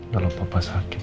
kalau papa sakit